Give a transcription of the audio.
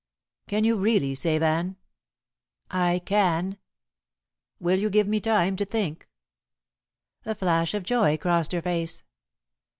"Can you really save Anne?" "I can." "Will you give me time to think?" A flash of joy crossed her face.